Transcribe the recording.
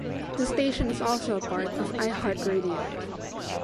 The station is also a part of iHeartRadio.